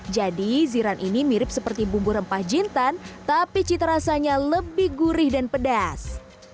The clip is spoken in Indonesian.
jadi ziran ini mirip seperti bumbu rempah jintan tapi cita rasanya lebih gurih dan pedas